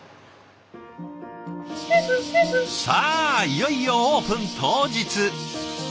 いよいよオープン当日。